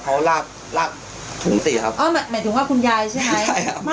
เขาลากลากถุงตีครับอ๋อหมายหมายถึงว่าคุณยายใช่ไหมใช่ครับ